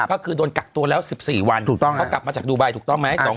ก็คือโดนกักตัวแล้ว๑๔วันก็กลับมาจากดูไบถูกต้องไหม๒แต่ข้อมูล